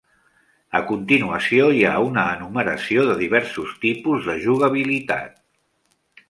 A continuació hi ha una enumeració de diversos tipus de jugabilitat.